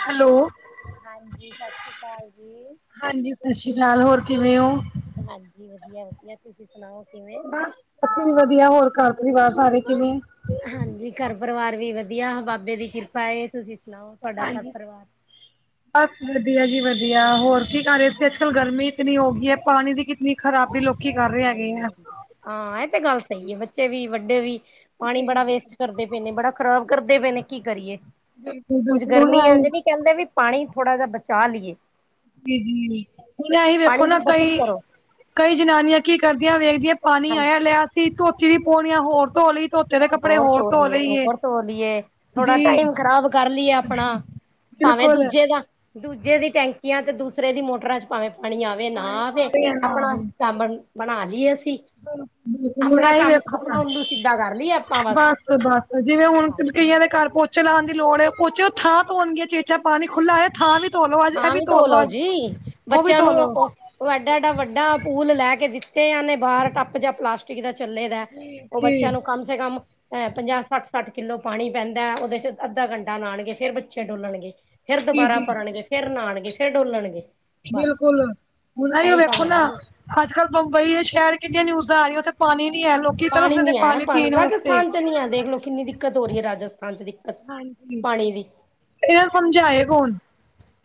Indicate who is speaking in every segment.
Speaker 1: Hello
Speaker 2: ਹਾਂਜੀ, ਸਤਿ ਸ਼੍ਰੀ ਅਕਾਲ ਜੀ-
Speaker 1: ਹਾਂਜੀ, ਸਤਿ ਸ੍ਰੀ ਅਕਾਲ, ਹੋਰ ਕਿਵੇਂ ਹੋ?
Speaker 2: ਹਾਂਜੀ, ਵਧੀਆ- ਵਧੀਆ ਤੁਸੀਂ ਸੁਣਾਓ ਕਿਵੇਂ?
Speaker 1: ਬੱਚੇ ਵੀ ਵਧੀਆ, ਹੋਰ ਘਰ ਪਰਿਵਾਰ ਸਾਰੇ ਕਿਵੇਂ ਆ?
Speaker 2: ਹਾਂਜੀ, ਘਰ ਪਰਿਵਾਰ ਵੀ ਵਧੀਆ, ਬਾਬੇ ਦੀ ਕਿਰਪਾ ਹੈ। ਤੁਸੀਂ ਸੁਣਾਓ ਤੁਹਾਡਾ ਘਰ
Speaker 1: ਹਾਂਜੀ।
Speaker 2: ਪਰਿਵਾਰ?
Speaker 1: ਬਸ, ਵਧੀਆ ਜੀ, ਵਧੀਆ ਹੋਰ ਕੀ ਕਰ ਰਹੇ ਸੀ? ਅੱਜ- ਕੱਲ ਗਰਮੀ ਕਿਤਨੀ ਹੋ ਗਈ ਹੈ, ਪਾਣੀ ਦੀ ਕਿਤਨੀ ਖਰਾਬੀ ਲੋਕ
Speaker 2: ਹਾਂਜੀ -ਹਾਂਜੀ, ਹਾਂ ਇਹ ਤੇ ਗਲ ਸਹੀ ਆ, ਬੱਚੇ ਵੀ ਵਡੇ ਵੀ ਪਾਣੀ
Speaker 1: ਜੀ
Speaker 2: ਬੜਾ
Speaker 1: ਜੀ।
Speaker 2: ਵੇਸਟ ਕਰਦੇ [unintelligible] ਨੇ ਬੜਾ ਖਰਾਬ ਕਰਦੇ ਪੇ ਨੇ ਕੀ ਕਰੀਏ
Speaker 1: ਬਿਲਕੁਲ
Speaker 2: ਕੁਝ
Speaker 1: ਬਿਲਕੁਲ ਹੁਣ
Speaker 2: ਗਰਮੀ
Speaker 1: ਆਈ
Speaker 2: ਐਂਜ ਕਹਿਦੇ ਵੀ ਪਾਣੀ ਥੋੜ੍ਹਾ ਜਿਹਾ ਬਚਾ ਲਈਏ।
Speaker 1: ਜੀ-ਜੀ ਹੁਣ ਐਹੀ ਵੇਖੋ
Speaker 2: ਪਾਣੀ ਦੀ
Speaker 1: ਨਾ
Speaker 2: ਬੱਚਤ
Speaker 1: ਕਈ-
Speaker 2: ਕਰੋ
Speaker 1: ਕਈ ਜਨਾਨੀਆਂ ਕੀ ਕਰਦੀਆਂ ਵੇਖਦੀਆ ਪਾਣੀ ਆਇਆ
Speaker 2: ਹਾਂਜੀ।
Speaker 1: ਲਿਆ ਸੀ [unintelligible] ਹੋਰ ਧੋ ਲਈ ਧੋਤੇ ਦੇ ਕੱਪੜੇ
Speaker 2: ਹੋਰ ਧੋ ਲੀਏ
Speaker 1: ਲਈਏ
Speaker 2: ਹੋਰ ਧੋ ਲੀਏ ਥੋੜਾ
Speaker 1: ਜੀ
Speaker 2: ਟਾਈਮ ਖਰਾਬ ਕਰ ਲਈਏ ਆਪਣਾ ਭਾਵੇਂ
Speaker 1: ਬਿਲਕੁਲ।
Speaker 2: ਦੂਜੇ ਦਾ ਦੂਜੇ ਦੀ ਟੈਂਕੀਆ ਤੇ ਦੂਸਰੇ ਦੀ ਮੋਟਰਾਂ 'ਚ ਭਾਵੇ ਪਾਣੀ ਆਵੇ ਨਾ
Speaker 1: ਪਾਣੀ
Speaker 2: ਆਵੇ
Speaker 1: ਪਾਣੀ ਨਾ
Speaker 2: ਆਪਣਾ
Speaker 1: ਆਵੇ
Speaker 2: [unintelligible] ਬਣਾ ਲੀਯੇ ਅਸੀ।
Speaker 1: [unintelligible]
Speaker 2: ਉੱਲੂ ਸਿੱਧਾ ਕਰ ਲਈਏ ਆਪਾਂ
Speaker 1: ਬਸ ਬਸ ਜਿਵੇਂ ਹੁਣ
Speaker 2: ਹਾਂਜੀ
Speaker 1: ਕਈਆਂ ਦੇ ਘਰ ਪੋਚੇ ਲਾਣ ਦੀ ਲੋੜ ਏ। ਪੋਚੇ ਉਹ ਥਾਂ ਧੋਣ ਦੀਆਂ ਚੇਚਾ ਪਾਣੀ ਖੁਲ੍ਹਾ ਹੋਏ ਥਾਂ ਵੀ ਧੋ ਲੋ ਅੱਜ ਇਹ
Speaker 2: ਥਾਂ ਵੀ ਧੋ
Speaker 1: ਲੋ
Speaker 2: ਲਓ
Speaker 1: ਅੱਜ
Speaker 2: ਜੀ
Speaker 1: ਉਹ ਵੀ
Speaker 2: ਬੱਚਿਆਂ
Speaker 1: ਧੋ
Speaker 2: ਨੂੰ
Speaker 1: ਲੋ
Speaker 2: ਉਹ ਐਡਾ- ਐਡਾ ਵਡਾ ਪੂਲ ਲੈ ਕੇ ਦਿਤੇ ਹੈ ਨੇ ਬਾਹਰ ਟਬ ਜਾਂ ਪਲਾਸਟਿਕ ਪਲਾਸਟਿਕ ਦਾ ਚਲੇ ਦਾ
Speaker 1: ਜੀ
Speaker 2: ਉਹ
Speaker 1: ਜੀ
Speaker 2: ਬੱਚਿਆਂ ਨੂੰ ਕਮ ਸੇ ਕਮ ਅਹ ਪੰਜਾਹ ਸੱਠ ਸੱਠ ਕਿਲੋ ਪਾਣੀ ਪੈਂਦਾ ਉਹਦੇ 'ਚ ਅੱਧਾ ਘੰਟਾ ਨਹਾਣਗੇ ਫੇਰ ਬੱਚੇ ਡੋਲਣਗੇ। ਫੇਰ
Speaker 1: ਜੀ
Speaker 2: ਦੁਬਾਰਾ
Speaker 1: ਜੀ
Speaker 2: ਭਰਨਗੇ ਫੇਰ ਨਹਾਣਗੇ ਫੇਰ ਡੋਲਣਗੇ ਬਸ ਇਹੀ ਕੰਮ ਰਹਿ
Speaker 1: [unintelligible]
Speaker 2: ਗਿਆ
Speaker 1: ਅਜ ਕਲ ਬੰਬਈ ਸ਼ਹਿਰ ਕਿਨੀਆਂ ਨਿਊਜ਼ਾਂ ਆ ਰਹੀਆ ਉਥੇ ਪਾਣੀ ਨੀ ਹੈ। ਲੋਕ
Speaker 2: ਪਾਣੀ ਨੀ ਹੈ ਪਾਣੀ ਰਾਜਸਥਾਨ ਚ ਨੀ ਹੈ। ਦੇਖਲੋ ਕਿਨੀ ਦਿਕਤ ਹੋ ਰਹੀ ਹੈ। ਰਾਜਸਥਾਨ 'ਚ
Speaker 1: ਹਾਂਜੀ-
Speaker 2: ਪਾਣੀ ਦੀ
Speaker 1: ਐਨਾ ਨੂੰ ਸਮਝਾਏ ਕੋਣ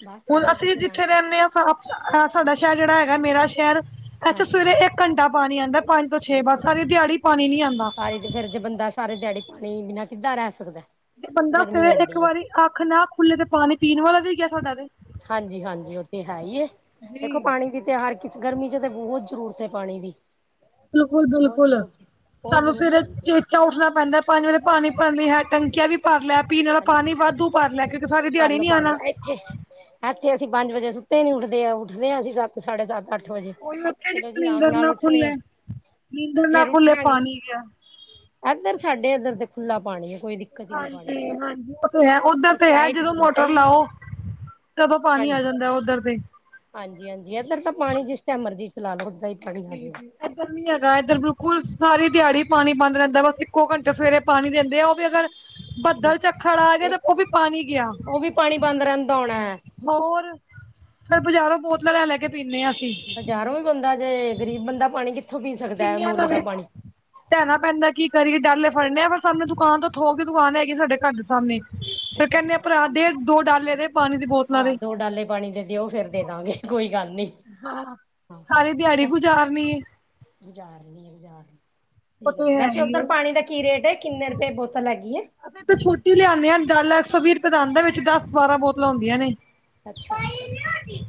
Speaker 2: ਬਸ
Speaker 1: ਹੁਣ
Speaker 2: ਐਵੇਂ ਬਸ
Speaker 1: ਅਸੀ ਜਿਥੇ
Speaker 2: ਜਨਾਨੀਆਂ
Speaker 1: ਰਹਿੰਨੇ ਆਂ, ਸਾਡਾ ਸ਼ਹਿਰ ਜੇੜਾ ਹੈਗਾ ਮੇਰਾ ਸ਼ਹਿਰ ਐਥੇ ਸਵੇਰੇ
Speaker 2: ਹਾਂਜੀ
Speaker 1: ਇਕ ਘੰਟਾ ਪਾਣੀ ਆਂਦਾ ਪੰਜ ਤੋਂ ਛੇ ਬਸ
Speaker 2: ਦੱਸੋ
Speaker 1: ਸਾਰੀ ਦਿਹਾੜੀ ਪਾਣੀ ਨੀ ਆਂਦਾ
Speaker 2: ਫੇਰ ਜੇ ਬੰਦਾ ਸਾਰੇ ਦਿਹਾੜੀ ਪਾਣੀ ਬਿਨਾ ਕਿਦਾਂ ਰਹਿ ਸਕਦਾ?
Speaker 1: ਤੇ ਬੰਦਾ
Speaker 2: ਗਰਮੀ
Speaker 1: ਫਿਰ ਇਕ
Speaker 2: ਐਡੀ ਹੈ
Speaker 1: ਵਾਰੀ ਆਖ ਨਾ ਖੁਲੇ ਤੇ ਪਾਣੀ ਪੀਣ ਵਾਲਾ ਵੀ ਗਿਆ ਤੁਹਾਡਾ ਤੇ
Speaker 2: ਹਾਂਜੀ- ਹਾਂਜੀ ਉਹ ਤੇ ਹੈਈ ਏ,
Speaker 1: ਜੀ
Speaker 2: ਦੇਖੋ ਪਾਣੀ ਦੀ ਤੇ ਹਰ ਕਿਤੇ ਗਰਮੀ 'ਚ ਤਾਂ ਬਹੁਤ ਜਰੂਰਤ ਏ ਪਾਣੀ ਦੀ।
Speaker 1: ਬਿਲਕੁਲ-
Speaker 2: ਬਹੁਤ
Speaker 1: ਬਿਲਕੁਲ
Speaker 2: ਜ਼ਰੂਰਤ ਬਹੁਤ
Speaker 1: ਸਾਨੂੰ
Speaker 2: ਜ਼ਰੂਰਤ
Speaker 1: ਸਵੇਰੇ [unintelligible]
Speaker 2: ਪੈਂਦੀ
Speaker 1: ਚੇਚਾ ਉਠਣਾ ਪੈਦਾ ਪੰਜ ਵਜੇ ਪਾਣੀ ਭਰਣ ਲਈ ਹੈ ਟੰਕੀਆਂ ਵੀ ਭਰ ਲਿਆ ਪੀਣ ਵਾਲਾ
Speaker 2: ਹਾਂਜੀ
Speaker 1: ਪਾਣੀ ਵਾਧੂ ਭਰ ਲਿਆ ਕਿਉਕਿ ਸਾਰੀ ਦਿਹਾੜੀ ਨੀ ਆਣਾ
Speaker 2: ਐਥੇ ਅਸੀਂ ਪੰਜ ਵਜੇ ਸੁੱਤੇ ਨੀ ਉੱਠਦੇ ਆਂ, ਉੱਠਦੇ ਆਂ ਅਸੀਂ ਸੱਤ ਸਾਡੇ ਸੱਤ। ਅੱਠ ਵਜੇ
Speaker 1: ਕੋਈ ਉਠੇ ਜੇ
Speaker 2: ਚਲੋ ਜੀ ਆਰਾਮ
Speaker 1: ਨੀਂਦਰ
Speaker 2: ਨਾਲ
Speaker 1: ਨਾ
Speaker 2: ਉੱਠਣੇ ਆ
Speaker 1: ਖੁੱਲੇ ਨੀਂਦਰ ਨਾ
Speaker 2: ਫੇਰ
Speaker 1: ਖੁੱਲੇ
Speaker 2: ਉੱਠਾਂਗੇ
Speaker 1: ਪਾਣੀ ਗਿਆ।
Speaker 2: ਇੱਧਰ ਸਾਡੇ ਇੱਧਰ ਤੇ ਖੁੱਲਾ ਪਾਣੀ ਏ ਕੋਈ ਦਿ
Speaker 1: ਹਾਂਜੀ-ਹਾਂਜੀ। ਤੇ ਹੈ ਉੱਧਰ
Speaker 2: ਬਸ
Speaker 1: ਤੇ ਹੈ
Speaker 2: ਲਾਈਟ
Speaker 1: ਜਦੋਂ
Speaker 2: ਹੋਣੀ
Speaker 1: ਮੋਟਰ
Speaker 2: ਚਾਹੀਦੀ ਹੈ
Speaker 1: ਲਾਓ ਤਦੋਂ ਪਾਣੀ ਆ ਜਾਂਦਾ ਉੱਧਰ ਤੇ।
Speaker 2: ਹਾਂਜੀ-ਹਾਂਜੀ ਇੱਧਰ ਤਾਂ ਪਾਣੀ ਜਿਸ ਟਾਈਮ ਮਰਜ਼ੀ ਚਲਾ ਲੋ ਓਦਾਂ ਹੀ ਪਾਣੀ
Speaker 1: [inaudible]
Speaker 2: ਆ ਜਾਏਗਾ
Speaker 1: ਇੱਧਰ ਨੀ ਹੈਗਾ ਇੱਧਰ ਬਿਲਕੁਲ ਸਾਰੀ ਦਿਹਾੜੀ ਪਾਣੀ ਬੰਦ ਰਹਿੰਦਾ ਬਸ ਇੱਕੋ ਘੰਟੇ ਸਵੇਰੇ ਪਾਣੀ ਦਿੰਦੇ ਆ ਉਹ ਵੀ ਅਗਰ, ਬੱਦਲ ਚੱਖੜ ਆ ਜੇ ਤੇ ਉਹ ਵੀ ਪਾਣੀ ਗਿਆ।
Speaker 2: ਉਹ ਵੀ ਪਾਣੀ ਬੰਦ ਰਹਿੰਦਾ ਹੋਣਾ ਹੈ
Speaker 1: ਹੋਰ ਫੇਰ ਬਾਜ਼ਾਰੋਂ ਬੋਤਲਾਂ ਲੈ ਲੈ ਕੇ ਪੀਣੇ ਆਂ ਅਸੀ।
Speaker 2: ਬਜ਼ਾਰੋਂ ਵੀ ਬੰਦਾ ਜੇ ਗਰੀਬ ਬੰਦਾ ਪਾਣੀ ਕਿ
Speaker 1: ਕਿੰਨੀਆਂ ਲਵੇ ਲੈਣਾ ਪੈਂਦਾ ਕੀ ਕਰੀਏ ਡੱਲਏ ਫੜਨ ਆ ਪਰ ਸਾਨੂੰ ਦੁਕਾਨ ਤੋਂ ਥੋ ਕੇ ਦੁਕਾਨ ਹੈਗੀ ਏ ਸਾਡੇ ਘਰ ਦੇ ਸਾਮਣੇ, ਦੇ ਪਾਣੀ ਦੀ ਬੋਤਲਾਂ
Speaker 2: ਹਾਂ
Speaker 1: ਦੇ
Speaker 2: ਦੋ ਡਾਲੇ ਪਾਣੀ ਦੇ ਦਿਓ ਫਿਰ ਦੇ ਦਾਂਗੇ। ਕੋਈ ਗਲ ਨੀ।
Speaker 1: ਹਾਂ
Speaker 2: ਹਾਂ
Speaker 1: ਸਾਰੀ ਦਿਹਾੜੀ ਗੁਜ਼ਾਰਨੀ ਏ।
Speaker 2: [inaudible]
Speaker 1: ਉਹ ਤੇ ਹੈ
Speaker 2: ਵੈਸੇ
Speaker 1: ਹੀ ਆ
Speaker 2: ਉਧਰ ਪਾਣੀ ਦਾ ਕੀ ਰੇਟ ਏ, ਕਿਨੇ ਰੁਪਏ ਬੋਤਲ ਹੈਗੀ ਏ।
Speaker 1: ਅਸੀ ਤਾਂ ਛੋਟੀ ਲਿਆਣੇ ਆਂ ਡਾਲਾ ਇਕ ਸੋ ਵੀਹ ਰੁਪਏ ਦਾ ਆਂਦਾ ਵਿਚ ਦਸ ਬਾਰਾਂ ਬੋਤਲਾਂ ਹੁਦੀਆਂ ਨੇ।
Speaker 2: ਅੱਛਾ ਅੱਛਾ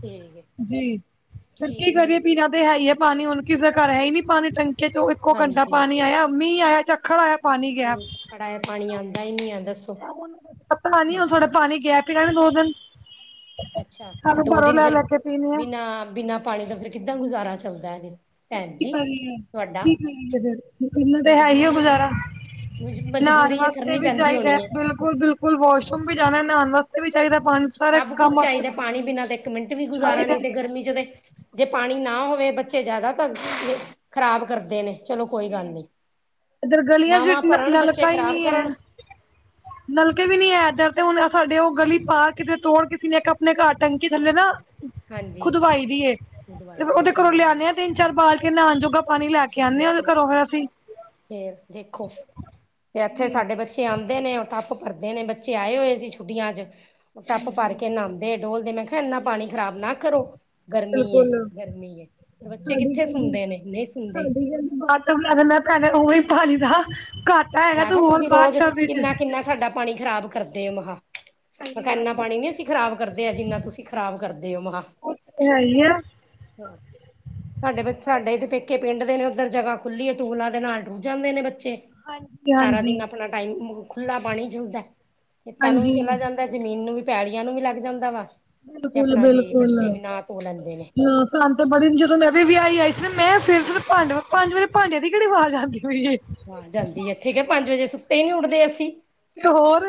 Speaker 2: ਠੀਕ ਹੈ
Speaker 1: ਜੀ ਫਿਰ ਕੀ
Speaker 2: ਠੀਕ ਹੈ
Speaker 1: ਕਰੀਏ- ਪੀਣਾ ਤੇ ਹੈ। ਹੀ ਹੈ। ਪਾਣੀ ਹੁਣ ਕਿਸੇ ਦੇ ਘਰ ਹੈ। ਹੀ ਨੀ ਪਾਣੀ ਟੈਕੀ ਚੋ ਇਕੋ ਘੰਟਾ
Speaker 2: ਹਾਂਜੀ
Speaker 1: ਪਾਣੀ ਆਇਆ ਮੀਹ ਆਇਆ ਚੱਕ ਖੜਾ
Speaker 2: ਨਹੀਂ ਥੋੜਾ ਪਾਣੀ ਆਉਂਦਾ ਹੀ ਨਹੀਂ ਆ ਦੱਸੋ
Speaker 1: ਹੁਣ
Speaker 2: ਜੀ
Speaker 1: ਇਹ ਗੈਪ ਹੀ ਰਿਹਾ ਥੋੜੇ ਦਿਨ ਪਾਣੀ
Speaker 2: ਅੱਛਾ ਤੇ ਦੋ ਦਿਨ ਫੇਿਰ
Speaker 1: ਲੈ ਕੇ ਪੀਣੇ ਆ
Speaker 2: ਬਿਨਾਂ ਬਿਨਾਂ ਪਾਣੀ ਦਾ ਫਿਰ ਕਿੱਦਾਂ ਗੁਜ਼ਾਰਾ ਚੱਲਦਾ ਇਹ ਦਿਨ ਭੈਣ ਜੀ ਤੁਹਾਡਾ
Speaker 1: ਕਰਨਾ ਤੇ ਹੈ ਹੀ
Speaker 2: ਮਜਬੂਰੀ
Speaker 1: ਗੁਜ਼ਾਰਾ ਨਹਾਉਣ
Speaker 2: ਮਜਬੂਰੀ ਇਹ
Speaker 1: ਵਾਸਤੇ
Speaker 2: ਕਰਨੀ
Speaker 1: ਵੀ
Speaker 2: ਪੈਂਦੀ
Speaker 1: ਚਾਹੀਦਾ
Speaker 2: ਹੋਣੀ ਹੈ
Speaker 1: ਬਿਲਕੁਲ ਬਿਲਕੁਲ ਵਾਸ਼ਰੂਮ ਵੀ
Speaker 2: ਹਾਂਜੀ
Speaker 1: ਜਾਣਾ ਨਹਾਉਣ ਵਾਸਤੇ ਵੀ ਚਾਹੀਦਾ ਪਾਣੀ ਸਾਰੇ
Speaker 2: ਸਭ ਕੁੱਝ
Speaker 1: ਕੰਮ ਵਾਸਤੇ।
Speaker 2: ਚਾਹੀਦਾ ਪਾਣੀ ਬਿਨਾਂ ਤਾਂ ਇੱਕ ਮਿੰਟ ਵੀ ਗੁਜ਼ਾਰਾ ਨਹੀਂ ਤੇ ਗਰਮੀ ਚ ਤੇ ਜੇ ਪਾਣੀ ਨਾ ਹੋਵੇ ਬੱਚੇ ਜਿਆਦਾ ਤਾਂ
Speaker 1: ਜੀ
Speaker 2: ਖ਼ਰਾਬ ਕਰਦੇ ਨੇ ਚਲੋ ਕੋਈ ਗੱਲ ਨੀ
Speaker 1: ਇਧਰ ਗਲੀਆਂ ਚ ਨਲਕਾ ਹੀ
Speaker 2: ਖ਼ਰਾਬ
Speaker 1: ਨਹੀਂ ਹੈ
Speaker 2: ਕਰਨ
Speaker 1: ਨਲਕੇ ਵੀ ਨੀ ਹੈ ਇਧਰ ਤੇ ਹੁਣ ਸਾਡੇ ਉਹ ਗਲੀ ਪਾਰ ਕਿਤੇ ਤੋੜ ਕਿਸੇ ਨੇ ਇੱਕ ਆਪਣੇ ਘਰ ਟੈਂਕੀ ਥੱਲੇ
Speaker 2: ਹਾਂਜੀ
Speaker 1: ਨਾ
Speaker 2: ਹਾਂਜੀ ਹਾਂਜੀ
Speaker 1: ਖੁਦਵਾਈ ਦੀ ਏ ਤੇ
Speaker 2: ਦਵਾਈ ਦੀ ਹੈ
Speaker 1: ਉਹਦੇ
Speaker 2: ਸਹੀ
Speaker 1: ਘਰੋਂ
Speaker 2: ਗੱਲ
Speaker 1: ਲਿਆਦੇ ਹ ਤੇ ਚੱਲ ਨਹਾਉਣ ਜੋਗਾ ਬਾਲਟੀ ਪਾਣੀ ਲੈ ਆਈਦਾ
Speaker 2: ਫੇਰ ਦੇਖੋ ਤੇ ਇੱਥੇ
Speaker 1: ਜੀ
Speaker 2: ਸਾਡੇ ਬੱਚੇ ਬੱਚੇ ਆਉਂਦੇ ਨੇ ਉਹ ਟੱਪ ਭਰਦੇ ਨੇ ਬੱਚੇ ਆਏ ਹੋਏ ਸੀ ਛੁੱਟੀਆਂ ਚ ਉਹ ਟੱਪ ਭਰ ਕੇ ਨਹਾਉਂਦੇ ਦੇ ਡੋਲ ਦੇ ਮੈਂ ਕਿਹਾ ਇੰਨਾ ਪਾਣੀ ਖਰਾਬ ਨਾ ਕਰੋ ਗਰਮੀ
Speaker 1: ਬਿਲਕੁਲ
Speaker 2: ਗਰਮੀ ਹੈ ਬੱਚੇ ਕਿੱਥੇ ਸੁਣਦੇ ਨੇ ਨਹੀਂ ਸੁਣਦੇ
Speaker 1: ਸਾਡੀਦੀ ਬਾਟਮ ਲਗੈਂ ਭੈ ਉਹੀ ਪਾਣੀ ਦਾ ਘੱਟ
Speaker 2: ਮੈਂ
Speaker 1: ਤ
Speaker 2: ਕਿਹਾ
Speaker 1: ਹੋਰ
Speaker 2: ਤੁਸੀਂ
Speaker 1: ਬਾਦ
Speaker 2: ਰੋਜ਼
Speaker 1: ਚ
Speaker 2: ਕਿੰਨਾ ਕਿੰਨਾ ਸਾਡਾ ਪਾਣੀ ਖ਼ਰਾਬ ਕਰਦੇ ਆ ਮ ਮੈਂ ਕਿਹਾ ਇਨਾ ਪਾਣੀ ਨੀ ਅਸੀਂ ਖਰਾਬ ਕਰਦੇ ਆ ਜਿੰਨਾ ਤੁਸੀਂ ਖ਼ਰਾਬ ਕਰਦੇ ਹੋ ਮ ਕਿਹਾ
Speaker 1: ਹੈਈ ਆ
Speaker 2: ਹਾਂ ਸਾਡੇ ਬ ਸਾਡੇ ਪੇਕੇ ਪਿੰਡ ਦੇ ਨੇ ਉੱਧਰ ਜਗ੍ਹਾ ਖੁੱਲੀ ਹੈਏ ਟਿਊਬਲਾ ਤੇ ਨਹਾਉਣ ਚਲੇ ਜਾਂਦੇ ਨੇ ਬੱਚੇ
Speaker 1: ਹਾਂਜੀ
Speaker 2: ਸਾਰਾ
Speaker 1: ਹਾਂਜੀ
Speaker 2: ਦਿਨ ਆਪਣਾ ਟਾਈਮ ਖੁੱਲਾ ਪਾਣੀ ਜੁਦਾ ਖੇਤਾਂ ਨੂੰ ਵੀ
Speaker 1: ਹਾਂਜੀ
Speaker 2: ਚਲਾ ਜਾਂਦਾ ਜ਼ਮੀਨ ਨੂੰ ਵੀ ਪੈਲੀਆਂ ਨੂੰ ਵੀ ਲੱਗ ਜਾਂਦਾ ਵਾ ਤੇ
Speaker 1: ਬਿਲਕੁਲ
Speaker 2: ਆਪਣਾ ਜੇ ਬੱਚੇ ਵੀ
Speaker 1: ਬਿਲਕੁਲ
Speaker 2: ਨਾ ਤੋ ਲੈਂਦੇ ਨੇ
Speaker 1: ਹਾਂ ਸਾਨੂੰ ਤੇ ਬੜੀ ਜਦੋਂ ਮੈਂ ਵੀ ਵਿਆਹੀ ਆਈ ਸੀ
Speaker 2: ਹਾਂਜੀ
Speaker 1: ਸਿਰਫ ਭਾਂਡੇ ਪੰਜ ਵਜੇ ਭਾਂਡੇ ਦੀ ਕਿਹੜੀ ਆਵਾਜ਼ ਆਉਂਦੀ ਹੋਈ ਹੈ
Speaker 2: ਹਾਂ ਜਾਂਦੀ ਇੱਥੇ ਕਿ ਪੰਜ ਵਜੇ ਸੁੱਤੇ ਹੀ ਨੀ ਉੱਠਦੇ ਅਸੀਂ
Speaker 1: ਤੇ ਹੋਰ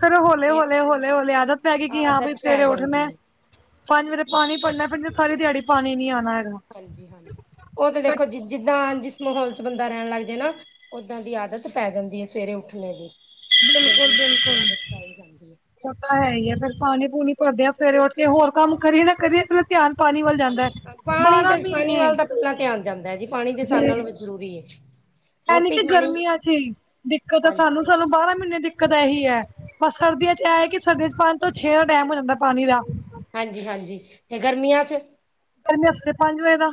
Speaker 1: ਫੇਿਰ ਹੌਲੇ
Speaker 2: ਫੇਰ
Speaker 1: ਹੌਲੇ ਹੌਲੇ ਹੌਲੀ ਆਦਤ ਪੈ ਗਈ ਕਿ ਹਾਂ ਬਈ
Speaker 2: ਆਦਤ ਪੈ
Speaker 1: ਸਵੇਰੇ ਉੱਠਣਾ
Speaker 2: ਜਾਂਦੀ ਹੈ
Speaker 1: ਪੰਜ ਵਜੇ ਸਭ ਤੋਂ ਪਹਿਲੇ ਪਾਣੀ ਭਰਨਾ ਸਾਰੀ ਦਿਹਾੜੀ ਪਾਣੀ ਨੀ ਆਉਣਾ ਹੈਗਾ
Speaker 2: ਹਾਂਜੀ ਹਾਂਜੀ ਉਹ ਤੇ
Speaker 1: ਫਿਰ
Speaker 2: ਦੇਖੋ ਜ ਜਿੱਦਾਂ ਜਿਸ ਮਾਹੌਲ ਚ ਬੰਦਾ ਰਹਿਣ ਲੱਗਦਾ ਨਾ ਓਦਾਂ ਦੀ ਆਦਤ ਪੈ ਜਾਂਦੀ ਹੈ ਸਵੇਰੇ ਉੱਠਣੇ ਦੀ ਜਲਦੀ
Speaker 1: ਬਿਲਕੁਲ
Speaker 2: ਉੱਠਣ ਦੀ
Speaker 1: ਬਿਲਕੁਲ
Speaker 2: ਆਦਤ ਪੈ ਜਾਂਦੀ ਹੈ।
Speaker 1: ਉਹ ਤਾਂ ਹੈ ਹੀ ਆ ਫੇਿਰ ਪਾਣੀ ਪੂਣੀ ਭਰਦੇ ਆ ਸਵੇਰੇ ਉੱਠ ਕੇ ਹੋਰ ਕੰਮ ਕਰੀਏ ਨਾ ਕਰੀਏ ਫ ਧਿਆਨ ਪਾਣੀ ਵਾਲੇ
Speaker 2: ਪਾਣੀ ਤਾਂ ਪਾਣੀ ਵੱਲ ਤਾਂ ਪਹਿਲਾਂ ਧਿਆਨ ਜਾਂਦਾ ਹੈ ਜੀ ਪਾਣੀ ਦੇ ਸਾਨਾ ਨੂੰ ਵੀ ਜ਼ਰੂਰੀ ਹੈ।
Speaker 1: ਹੈਨੀ
Speaker 2: ਰੋਟੀ
Speaker 1: ਕਿ
Speaker 2: ਖਾਣੀ
Speaker 1: ਗਰਮੀਆਂ ਚ, ਦਿੱਕਤ ਹੈ
Speaker 2: ਹਾਂਜੀ
Speaker 1: ਸਾਨੂੰ ਸਾਨੂੰ ਬਾਰਾਂ ਮਹੀਨੇ ਦਿੱਕਤ ਇਹੀ ਹੈ। ਬਸ ਸਰਦੀਆਂ ਚ ਇਹ ਹੈ ਕਿ ਸਰਦੀਆਂ ਚ ਪੰਜ ਤੋਂ ਛੇ ਡੈਮ ਹੋ ਜਾਂਦਾ ਪਾਣੀ ਦਾ।
Speaker 2: ਹਾਂਜੀ ਹਾਂਜੀ ਤੇ ਗਰਮੀਆਂ ਚ
Speaker 1: ਕਹਿੰਦੇ ਹਫਤੇ ਚ ਪੰਜ ਵਜੇ ਦਾ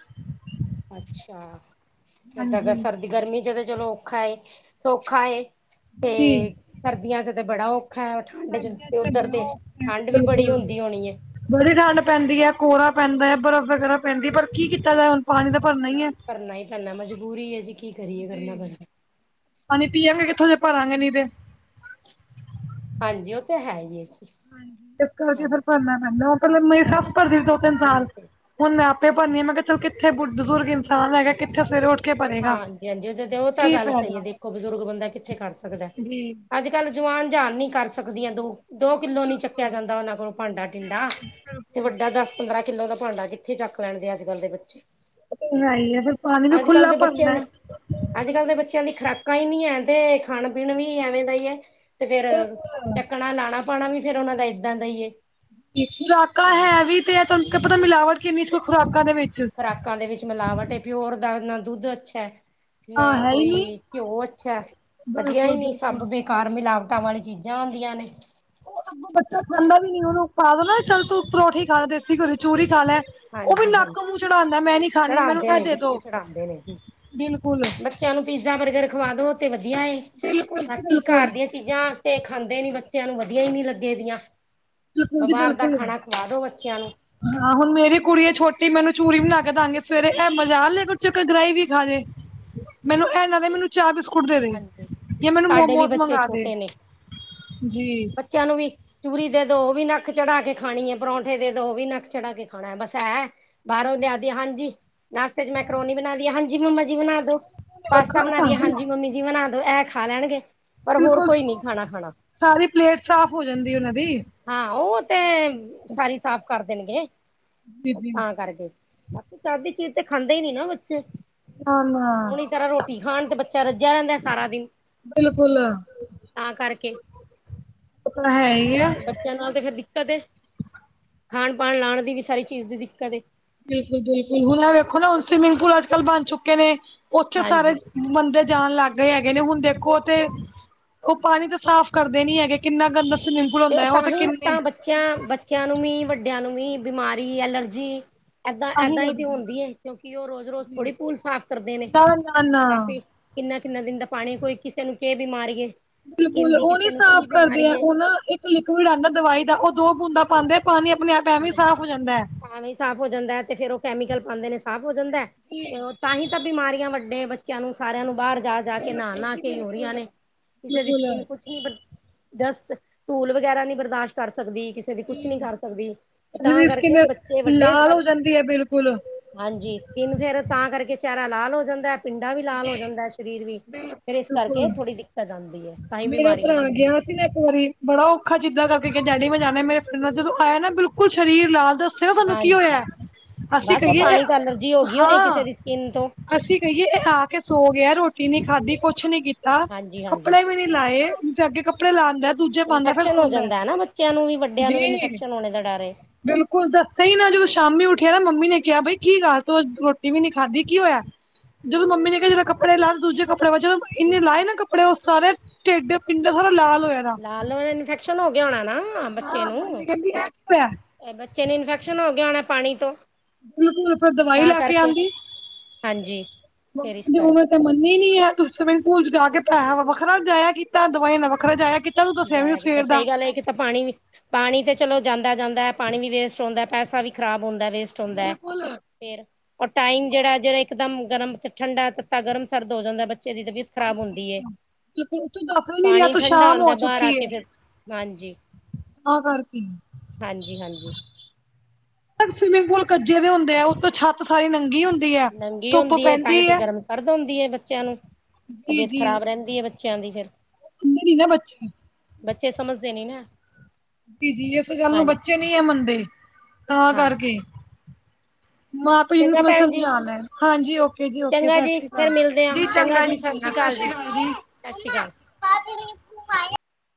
Speaker 2: ਅੱਛਾ ਫਿਰ ਤਾਂ
Speaker 1: ਹਾਂਜੀ
Speaker 2: ਸਰਦੀ ਗਰਮੀ ਚ ਤਾਂ ਚਲੋ ਔਖਾ ਸੌਖਾ ਤੇ
Speaker 1: ਜੀ
Speaker 2: ਸਰਦੀਆਂ ਚ ਤੇ ਬੜਾ ਔਖਾ ਹੈ ਠੰਡ ਚ
Speaker 1: ਸਰਦੀਆਂ
Speaker 2: ਤੇ ਉੱਧਰ
Speaker 1: ਬੜਾ
Speaker 2: ਤੇ
Speaker 1: ਔਖਾ ਹੈ।
Speaker 2: ਠੰਡ ਵੀ ਬੜੀ
Speaker 1: ਬਿਲਕੁਲ
Speaker 2: ਹੁੰਦੀ ਹੋਣੀ
Speaker 1: ਬੜੀ ਠੰਢ ਪੈਂਦੀ ਹੈ ਕੋਹਰਾ ਪੈਂਦਾ ਹੈ ਬਰਫ਼ ਵਗੈਰਾ ਪੈਂਦੀ ਹੈ ਪਰ ਕੀ ਕੀਤਾ ਜਾਏ ਹੁਣ ਪਾਣੀ ਦਾ ਭਰਨਾ ਹੀ ਹੈ
Speaker 2: ਕਰਨਾ ਹੀ ਪੈਂਦਾ ਮਜਬੂਰੀ ਹੈ ਜੀ ਕੀ ਕਰੀਏ ਕਰਨਾ
Speaker 1: ਜੀ
Speaker 2: ਪੈਂਦਾ
Speaker 1: ਪਾਣੀ ਪੀਆਂਗੇ ਕਿੱਥੋਂ ਜੇ ਭਰਾਂਗੇ ਨਹੀਂ ਤੇ
Speaker 2: ਹਾਂਜੀ ਉਹ ਤਾਂ ਹੈ ਹੀ ਜੀ
Speaker 1: ਹਾਂਜੀ ਇਸ ਕਰਕੇ ਫਿਰ
Speaker 2: ਹਾਂਜੀ
Speaker 1: ਭਰਨਾ ਪੈਂਦਾ ਪਹਿਲ ਮੇ ਸ
Speaker 2: ਕਰਨਾ
Speaker 1: ਭਰਦੀ ਸੀ ਦੋ ਤਿੰਨ ਸਾਲ
Speaker 2: ਜ਼ਰੂਰ
Speaker 1: ਹੁਣ ਮੈਂ ਆਪੇ ਭਰਨੀ ਆ ਮੈਂ ਕਿਹਾ ਚੱਲ ਕਿੱਥੇ ਬੁ ਬਜ਼ੁਰਗ ਇਨਸਾਨ ਹੈ ਕਿੱਥੇ ਸਵੇਰੇ ਉੱਠ ਕੇ ਭਰੇਗਾ
Speaker 2: ਹਾਂਜੀ-ਹਾਂਜੀ ਉਹਦੇ ਤੇ ਉਹ ਤਾਂ
Speaker 1: ਕੀ
Speaker 2: ਗੱਲ ਸਹੀ ਹੈ
Speaker 1: ਫਾਇਦਾ
Speaker 2: ਦੇਖੋ ਬਜ਼ੁਰਗ ਬੰਦਾ ਕਿੱਥੇ ਕਰ ਸਕਦਾ।
Speaker 1: ਜੀ
Speaker 2: ਅੱਜ ਕੱਲ੍ਹ ਜਵਾਨ ਜਹਾਨ ਨੀ ਕਰ ਸਕਦੀਆਂ ਦੋ। ਦੋ ਕਿੱਲੋ ਨੀ
Speaker 1: ਬਿਲਕੁਲ
Speaker 2: ਚੱਕਿਆ ਜਾਂਦਾ ਉਹਨਾਂ ਕੋਲੋਂ ਭਾਂਡਾ ਟੀਂਡਾ,
Speaker 1: ਬਿਲਕੁਲ ਜੀ
Speaker 2: ਤੇ
Speaker 1: ਬਿਲਕੁਲ
Speaker 2: ਵੱਡਾ ਦਸ-ਪੰਦਰਾਂ ਕਿੱਲੋ ਦਾ ਭਾਂਡਾ ਕਿੱਥੇ ਚੱਕ ਲੈਂਣਦੇ ਅੱਜ ਕੱਲ੍ਹ ਦੇ ਬੱਚੇ।
Speaker 1: ਆਈ ਹੈ ਫੇਰ ਪਾਣੀ ਵੀ
Speaker 2: ਅੱਜ ਕੱਲ੍ਹ
Speaker 1: ਖੁੱਲਾ
Speaker 2: ਦੇ ਬੱਚਿਆਂ
Speaker 1: ਭਰਨਾ।
Speaker 2: ਦੀ ਅੱਜ ਕੱਲ੍ਹ ਦੇ ਬੱਚਿਆਂ ਦੀ ਖੁਰਾਕਾਂ ਹੀ ਨਹੀਂ ਹੈ ਤੇ ਖਾਣ ਪੀਣ ਵੀ ਐਵੇਂ ਦਾ ਹੀ ਹੈ। ਤੇ ਫੇਰ,
Speaker 1: ਬਿਲਕੁਲ
Speaker 2: ਚੱਕਣਾ ਲਾਣਾ ਪਾਣਾ ਵੀ ਫਿਰ ਉਹਨਾ ਦਾ ਏਦਾਂ ਦਾ ਈ ਏ।
Speaker 1: ਖੁਰਾਕਾਂ
Speaker 2: ਹਾਂ।
Speaker 1: ਹੈ ਵੀ ਤੇ ਤੁਹਾਨੂੰ ਪਤਾ ਮਿਲਾਵਟ ਕਿੰਨੀ ਖੁਰਾਕਾਂ ਦੇ ਵਿੱਚ।
Speaker 2: ਖੁਰਾਕਾਂ ਦੇ ਵਿੱਚ ਮਿਲਾਵਟ ਏ ਪਿਓਰ ਦਾ ਨਾ ਦੁੱਧ ਅੱਛਾ ਏ। ਨਾ
Speaker 1: ਹਾਂ ਹੈ ਹੀ ਨੀ
Speaker 2: ਕੋਈ ਘਿਓ ਅੱਛਾ, ਵਧੀਆ ਹੀ
Speaker 1: ਬਿਲਕੁਲ
Speaker 2: ਨੀ ਸਭ
Speaker 1: ਬਿਲਕੁਲ
Speaker 2: ਕਾਰ ਮਿਲਾਵਟਾਂ ਵਾਲੀ ਚੀਜ਼ਾਂ ਹੁੰਦੀਆਂ ਨੇ।
Speaker 1: ਉਹ ਤਾਂ ਅੱਗੋ ਬੱਚਾ ਖਾਂਦਾ ਵੀ ਨੀ ਉਹਨੂੰ ਪਾ ਦੋ ਨਾ ਚੱਲ ਤੂੰ ਪਰੌਠੀ ਖਾ ਲੈ ਦੇਸੀ ਘਿਓ ਦੀ ਚੂਰੀ ਖਾ ਲੈ। ਉਹ ਵੀ
Speaker 2: ਹਾਂਜੀ ਹਾਂਜੀ
Speaker 1: ਨੱਕ ਮੂੰਹ ਚੜਾਉਂਦਾ ਮੈਂ ਨੀ ਖਾਣੀ ਮੈਨੂੰ
Speaker 2: ਚੜਾਉਂਦੇ
Speaker 1: ਇਹ
Speaker 2: ਨੇ
Speaker 1: ਦੇ
Speaker 2: ਬੱਚੇ
Speaker 1: ਦੋ,
Speaker 2: ਚੜਾਉਂਦੇ ਨੇ ਜੀ।
Speaker 1: ਬਿਲਕੁਲ।
Speaker 2: ਬੱਚਿਆਂ ਨੂੰ ਪੀਜ਼ਾ ਬਰਗਰ ਖਵਾਦੋ ਤੇ ਵਧੀਆ ਏ,
Speaker 1: ਬਿਲਕੁਲ ਜੀ
Speaker 2: ਹੱਥੀ
Speaker 1: ਬਿਲਕੁਲ
Speaker 2: ਘਰ ਦੀਆਂ ਚੀਜ਼ਾਂ ਤੇ ਖਾਂਦੇ ਨੀ ਬੱਚਿਆਂ ਨੂੰ ਵਧੀਆ ਹੀ ਨੀ ਲੱਗੇ ਦੀਆਂ।
Speaker 1: ਬਿਲਕੁਲ ਜੀ
Speaker 2: ਬਿਮਾਰ ਦਾ
Speaker 1: ਬਿਲਕੁਲ
Speaker 2: ਖਾਣਾ ਖਵਾ ਦੋ ਬੱਚਿਆਂ ਨੂੰ।
Speaker 1: ਹਾਂ ਹੁਣ ਮੇਰੀ ਕੁੜੀ ਹੈ ਛੋਟੀ ਮੈ ਉਹਨੂੰ ਚੂਰੀ ਵੀ ਬਣਾ ਕੇ ਦਵਾਂਗੇ ਸਵੇਰੇ ਇਹ ਮਜ਼ਾਲ ਆ ਲੈ ਵਿੱਚੋ ਇੱਕ ਗਰਾਹੀ ਵੀ ਖਾ ਜੇ। ਮੈਨੂੰ ਇਹ ਨਾਂ ਦੇ ਮੈਨੂੰ ਚਾਹ ਬਿਸਕੁਟ ਦੇ ਦੇ,
Speaker 2: ਹਾਂਜੀ।
Speaker 1: ਜਾਂ ਮੈਨੂੰ
Speaker 2: ਸਾਡੇ ਵੀ
Speaker 1: ਮੋਮੋਸ
Speaker 2: ਬੱਚੇ
Speaker 1: ਮੰਗਾ ਦੇ।
Speaker 2: ਛੋਟੇ ਨੇ
Speaker 1: ਜੀ
Speaker 2: ਬੱਚਿਆਂ ਨੂੰ ਵੀ ਚੂਰੀ ਦੇ ਦੋ ਵੀ ਉਹ ਵੀ ਨੱਕ ਚੜਾ ਕੇ ਖਾਣੀ ਹੈ ਪਰੌਂਠੇ ਦੇ ਦੋ ਵੀ ਨੱਕ ਚੜਾ ਕੇ ਖਾਣਾ ਹੈ ਬਸ ਐ। ਬਾਹਰੋਂ ਲਿਆ ਦਿਆ ਹਾਂਜੀ, ਨਾਸ਼ਤੇ ਚ ਮੈਕਰੋਨੀ ਬਣਾ ਦਿਆ ਹਾਂਜੀ। ਹਾਂਜੀ ਮੰਮਾ ਜੀ ਬਣਾ ਦੋ, ਪਾਸਤਾ ਬਣਾ ਦੀਏ
Speaker 1: ਸਾਰੀ
Speaker 2: ਹਾਂਜੀ ਮੰਮੀ ਜੀ ਬਣਾ ਦੋ ਇਹ ਖਾ ਲੈਣਗੇ। ਪਰ ਹੋਰ
Speaker 1: ਬਿਲਕੁਲ,
Speaker 2: ਕੋਈ ਨੀ ਖਾਣਾ ਖਾਣਾ
Speaker 1: ਸਾਰੀ ਪਲੇਟ ਸਾਫ਼ ਹੋ ਜਾਂਦੀ ਉਹਨਾਂ ਦੀ।
Speaker 2: ਹਾਂ ਉਹ ਤੇ, ਸਾਰੀ ਸਾਫ਼ ਕਰ ਦੇਣਗੇ,
Speaker 1: ਜੀ ਜੀ
Speaker 2: ਤਾਂ ਕਰਕੇ। ਚੱਜ ਦੀ ਚੀਜ਼ ਤੇ ਖਾਂਦੇ ਹੀ ਨੀ ਨਾ ਬੱਚੇ।
Speaker 1: ਆਉਣੀ ਆ
Speaker 2: ਸਹੀ ਤਰ੍ਹਾਂ ਰੋਟੀ ਖਾਣ ਤੇ ਬੱਚਾ ਰੱਜਿਆ ਰਹਿੰਦਾ ਹੈ ਸਾਰਾ ਦਿਨ।
Speaker 1: ਬਿਲਕੁਲ,
Speaker 2: ਤਾਂ ਕਰਕੇ
Speaker 1: ਉਹ ਤਾਂ ਹੈ ਈ ਐ।
Speaker 2: ਬੱਚਿਆਂ ਨਾਲ ਤੇ ਫੇਰ ਦਿੱਕਤ ਏ, ਖਾਣ ਪਣ ਲਾਣ ਦੀ ਵੀ ਸਾਰੀ ਚੀਜ਼ ਦੀ ਦਿੱਕਤ ਏ।
Speaker 1: ਬਿਲਕੁਲ-ਬਿਲਕੁਲ ਹੁਣ ਵੇਖੋ ਨਾ ਹੁਣ ਸਵਿਮਿੰਗ ਪੂਲ ਅੱਜ ਕੱਲ ਬਣ ਚੁੱਕੇ ਨੇ ਉੱਥੇ ਸਾਰੇ
Speaker 2: ਹਾਂਜੀ
Speaker 1: ਬੰਦੇ ਜਾਣ ਲੱਗ ਗਏ ਹੈਗੇ ਨੇ ਹੁਣ ਦੇਖੋ ਤੇ ਉਹ ਪਾਣੀ ਤਾਂ ਸਾਫ਼ ਕਰਦੇ ਨੀ ਹੈਗੇ ਕਿੰਨਾ ਗੰਦਾ ਸਵਿਮਿੰਗ ਪੁਲ ਹੁੰਦਾ ਉਹ ਤੇ ਕਿੰਨੇ
Speaker 2: ਕਿਆ ਬੱਚਿਆਂ ਨੂੰ ਵੀ ਵੱਡਿਆਂ ਨੂੰ ਵੀ ਬਿਮਾਰੀ, ਐਲਰਜੀ ਏਦਾਂ
Speaker 1: ਤਾਂਹੀ
Speaker 2: ਏਦਾਂ ਹੀ ਤੇ
Speaker 1: ਲੱਗਦੀ
Speaker 2: ਹੁੰਦੀ ਹੈ ਕਿਉਂਕਿ ਉਹ ਰੋਜ਼-ਰੋਜ਼
Speaker 1: ਜੀ।
Speaker 2: ਥੋੜ੍ਹੀ ਪੂਲ ਸਾਫ਼ ਕਰਦੇ ਨੇ
Speaker 1: ਨਾ-ਨਾ-ਨਾ।
Speaker 2: ਕਾਫੀ ਕਿੰਨਾ ਕਿੰਨਾ ਦਿਨ ਦਾ ਪਾਣੀ ਕੋਈ ਕਿਸੇ ਨੂੰ ਕਿ ਬੀ ਮਾਰੀਏ
Speaker 1: ਬਿਲਕੁਲ ਉਹ ਨੀ ਸਾਫ਼ ਕਰਦੇ ਹੈ ਉਹ ਨਾ ਇੱਕ ਲਿਕਿਡ ਆਉਂਦਾ ਦਵਾਈ ਦਾ ਉਹ ਦੋ ਬੂੰਦਾ ਪਾਉਂਦੇ ਆ ਪਾਣੀ ਆਪਣੇ ਆਪ ਐਵੇਂ
Speaker 2: ਹਾਂਜੀ
Speaker 1: ਸਾਫ਼ ਹੋ ਜਾਂਦਾ ਐ।
Speaker 2: ਐਵੇਂ ਹੀ ਸਾਫ਼ ਹੋ ਜਾਂਦਾ ਤੇ ਫਿਰ ਉਹ ਕੈਮੀਕਲ ਪਾਉਂਦੇ ਨੇ ਸਾਫ਼ ਹੋ ਜਾਂਦਾ ਤੇ ਉਹ ਤਾਂ ਹੀ ਤਾਂ ਬਿਮਾਰੀਆਂ ਵੱਡੇ ਬੱਚੇ ਬੱਚਿਆਂ ਨੂੰ ਸਾਰਿਆਂ ਨੂੰ ਬਾਹਰ ਜਾ ਜਾ ਕੇ ਨਹਾ ਨਹਾ ਕੇ ਹੀ ਹੋ ਰਹੀਆ ਨੇ। ਕਿਸੇ ਦੀ
Speaker 1: ਬਿਲਕੁਲ
Speaker 2: ਸਕਿੰਨ ਕੁ ਕੁਛ ਨੀ, ਜਸਟ ਧੂਲ ਵਗੈਰਾ ਨੀ ਬਰਦਾਸ਼ਤ ਕਰ ਸਕਦੀ ਕਿਸੇ ਦੀ ਕੁਛ ਨੀ
Speaker 1: ਜੀ।
Speaker 2: ਕਰ ਸਕਦੀ। ਤੇ
Speaker 1: ਕਿਸੇ
Speaker 2: ਤਾਂ
Speaker 1: ਦੀ
Speaker 2: ਕਰਕੇ
Speaker 1: ਸਕਿਨ
Speaker 2: ਬੱਚੇ ਵੱਡੇ
Speaker 1: ਲਾਲ
Speaker 2: ਸਭ
Speaker 1: ਹੋ ਜਾਂਦੀ ਐ ਬਿਲਕੁਲ।
Speaker 2: ਹਾਂਜੀ ਸਕਿੰਨ ਫੇਰ ਤਾਂ ਕਰਕੇ ਚਿਹਰਾ ਲਾਲ ਹੋ ਜਾਂਦਾ। ਪਿੰਡਾ ਵੀ ਲਾਲ ਹੋ ਜਾਂਦਾ ਸਰੀਰ ਵੀ, ਫੇਰ ਇਸ ਕਰਕੇ
Speaker 1: ਬਿਲਕੁਲ।
Speaker 2: ਥੋੜ੍ਹੀ ਦਿੱਕਤ ਆਦੀ।
Speaker 1: ਮੇਰਾ ਭਰਾ ਗਿਆ ਸੀ ਨਾ ਇੱਕ ਵਾਰੀ ਬੜਾ ਔਖਾ ਜ਼ਿੱਦਾਂ ਕਰਕੇ ਡੈਡੀ ਮੈਂ ਜਾਣਾ ਮੇਰੇ ਫਰੈਂਡ ਨਾਲ ਜਦੋਂ ਆਇਆ ਨਾ ਬਿਲਕੁਲ ਸਰੀਰ ਲਾਲ ਤੇ ਚਲੋ ਤੁਹਾਨੂੰ ਕੀ
Speaker 2: ਹਾਂਜੀ
Speaker 1: ਹੋਇਆ, ਅਸੀਂ
Speaker 2: ਬਸ ਉਹ
Speaker 1: ਕਹੀਏ,
Speaker 2: ਪਾਣੀ ਤੋਂ ਐਲਰਜੀ ਹੋ ਗਈ ਹੋਣੀ ਕਿਸੇ
Speaker 1: ਹਾਂ
Speaker 2: ਦੀ ਸਕਿੰਨ ਤੋਂ
Speaker 1: ਅਸੀਂ ਕਹੀਏ ਇਹ ਆ ਕੇ ਸੋ ਗਿਆ ਰੋਟੀ ਨੀ ਖਾਧੀ ਕੁਛ ਨੀ ਕੀਤਾ
Speaker 2: ਹਾਂਜੀ ਹਾਂਜੀ
Speaker 1: ਕੱਪੜੇ ਵੀ ਨੀ ਲਾਏ ਜਾ ਕੇ ਕੱਪੜੇ ਲਾਉਂਦਾ ਦੂਜੇ ਪਾਉਂਦਾ ਫਿਰ
Speaker 2: ਇਨਫੈਕਸ਼ਨ ਹੋ
Speaker 1: ਸੌਂਦਾ
Speaker 2: ਜਾਂਦਾ ਹੈ ਨਾ ਬੱਚਿਆਂ ਨੂੰ ਵੀ ਵੱਡਿਆਂ ਨੂੰ ਵੀ
Speaker 1: ਜੀ
Speaker 2: ਇਨਫੈਕਸ਼ਨ ਹੋਣੇ ਦਾ ਡਰ ਏ।
Speaker 1: ਬਿਲਕੁਲ ਦੱਸ ਹੀ ਨਾ ਜਦੋਂ ਸ਼ਾਮੀ ਉਠਿਆ ਨਾ ਮੰਮੀ ਨੇ ਕਿਹਾ ਬਈ ਕੀ ਗੱਲ ਤੂੰ ਰੋਟੀ ਵੀ ਨੀ ਖਾਧੀ ਕੀ ਹੋਇਆ ਜਦੋਂ ਮੰਮੀ ਨੇ ਕਿਹਾ ਜਦ ਕੱਪੜੇ ਲਾ ਦੂਜੇ ਕਪੜੇ ਵਜੋਂ ਇੰਨੇ ਲਾਏ ਨਾ ਕੱਪੜੇ ਉਹ ਸਾਰੇ ਢੇਡ ਪਿੰਡ ਸਾਰਾ ਲਾਲ ਹੋਇਆ ਦਾ
Speaker 2: ਲਾਲ ਹੋਇਆ ਇਨਫੈਕਸ਼ਨ ਹੋ ਗਿਆ ਹੋਣਾ ਨਾ ਬੱਚੇ
Speaker 1: ਹਾਂ ਮੰਮੀ
Speaker 2: ਨੂੰ।
Speaker 1: ਕਹਿੰਦੀ ਐ ਕੀ ਹੋਇਆ
Speaker 2: ਬੱਚੇ ਨੂੰ ਇਨਫੈਕਸ਼ਨ ਹੋ ਗਿਆ ਹੋਣਾ ਪਾਣੀ ਤੋਂ
Speaker 1: ਬਿਲਕੁਲ ਫਿਰ ਦਵਾਈ
Speaker 2: ਤਾਂ
Speaker 1: ਲੈ ਕੇ
Speaker 2: ਕਰਕੇ
Speaker 1: ਆਉਂਦੀ
Speaker 2: ਹਾਂਜੀ। ਫੇਰ ਇਸ
Speaker 1: ਮੰਮੀ ਦੀ
Speaker 2: ਕਰਕੇ
Speaker 1: ਉਮਰ ਮਰਨੀ ਨੀ ਹੈ ਤੁ ਸੀਮਿੰਗ ਪੂਲ ਚ ਜਾ ਕੇ ਪੈਸਾ ਵ ਵੱਖਰਾ ਜਾਇਆ ਕੀਤਾ ਦਵਾਈਆਂ ਨਾਲ ਵੱਖਰਾ ਜਾਇਆ ਕੀਤਾ ਤੂੰ ਦੱਸਿਆ ਵੀ
Speaker 2: ਜਾਇਆ ਕੀਤਾ
Speaker 1: ਸਵੇਰ ਦਾ
Speaker 2: ਸਹੀ ਗੱਲ ਹੈ ਕਿ ਤਾਂ ਪਾਣੀ ਵੀ ਪਾਣੀ ਤੇ ਚਲੋ ਜਾਂਦਾ ਜਾਂਦਾ ਹੈ ਪਾਣੀ ਵੀ ਵੇਸਟ ਹੁੰਦਾ ਪੈਸਾ ਵੀ ਖ਼ਰਾਬ ਹੁੰਦਾ ਵੇਸਟ ਹੁੰਦਾ ਹੈ
Speaker 1: ਬਿਲਕੁਲ
Speaker 2: ਫਿਰ ਟਾਈਮ ਜਿਹੜਾ ਜਿਹੜਾ ਇਕਦਮ ਗਰਮ ਠੰਡਾ ਤੱਤਾ ਗਰਮ ਸਰਦ ਹੋ ਜਾਂਦਾ ਬੱਚੇ ਦੀ ਤਬੀਅਤ ਖਰਾਬ ਹੁੰਦੀ ਹੈ
Speaker 1: ਬਿਲਕੁਲ ਤੂੰ ਦੱਸ ਵੀ ਨੀ ਰਿਹਾ
Speaker 2: ਪਾਣੀ
Speaker 1: ਤੂੰ
Speaker 2: ਠੰਡਾ
Speaker 1: ਸ਼ਾਮ ਹੋ
Speaker 2: ਆਉਂਦਾ ਘਰ ਆ ਕੇ ਫਿਰ ਹਾਂਜੀ
Speaker 1: ਆ ਆ ਰੂਟੀਨ
Speaker 2: ਹਾਂਜੀ ਹਾਂਜੀ
Speaker 1: ਸਵਿਮਿੰਗ ਪੂਲ ਕੱਜੇ ਦੇ ਹਦੇ ਉਤੋਂ ਛੱਤ ਸਾਰੀ ਨੰਗੀ ਹੁੰਦੀ ਹੈ
Speaker 2: ਨੰਗੀ
Speaker 1: ਧੁੱਪ
Speaker 2: ਹੁੰਦੀ ਹੈ ਤਾਂਹੀ
Speaker 1: ਪੈਂਦੀ
Speaker 2: ਤੇ ਗਰਮ ਸਰਦ ਹੁੰਦੀ ਹੈ ਬੱਚਿਆਂ ਨੂੰ
Speaker 1: ਜੀ
Speaker 2: ਤਬੀਅਤ ਖ਼ਰਾਬ ਰਹਿੰਦੀ ਹੈ ਬੱਚੇ ਬੱਚਿਆਂ ਦੀ ਫਿਰ
Speaker 1: ਸੁਣਦੇ ਨਹੀਂ ਬੱਚੇ
Speaker 2: ਬੱਚੇ ਸਮਝਦੇ ਦੀ ਨਾ
Speaker 1: ਦੀ ਜ ਇਸ ਗੱਲ ਨੂੰ
Speaker 2: ਹਾਂਜੀ
Speaker 1: ਬੱਚੇ ਨੀ ਹੈ ਮੰਨਦੇ ਤਾਂ
Speaker 2: ਹਾਂਜੀ
Speaker 1: ਕਰਕੇ ਮਾਂ ਪਿਓ ਨੂੰ
Speaker 2: ਚੰਗਾ
Speaker 1: ਥੋੜਾ
Speaker 2: ਭੈਣ ਜੀ
Speaker 1: ਸਮਝਾ ਲੈ ਹਾਂਜੀ ਓਕੇ ਜੀ ਓਕੇ
Speaker 2: ਚੰਗਾ
Speaker 1: ਸਤਿ
Speaker 2: ਜੀ
Speaker 1: ਸ਼੍ਰੀ ਅਕਾਲ
Speaker 2: ਫੇਰ ਮਿਲਦੇ ਹਾਂ
Speaker 1: ਜੀ ਚੰਗਾ ਜੀ
Speaker 2: ਸ੍ਰੀ
Speaker 1: ਸਤਿ ਸ਼੍ਰੀ ਅਕਾਲ ਜੀ
Speaker 2: ਸਤਿ ਸ਼੍ਰੀ ਅਕਾਲ